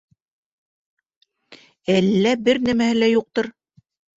Әллә бер нәмәһе лә юҡтыр!